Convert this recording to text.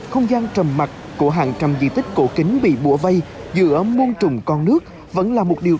không gian trầm mặt của hàng trăm di tích cổ kính bị bùa vây giữa muôn trùng con nước vẫn là một điều